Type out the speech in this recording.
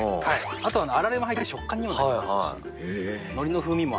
あとはあられも入って食感にもなりますし海苔の風味もあるので。